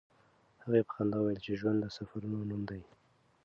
هغې په خندا وویل چې ژوند د سفرونو نوم دی.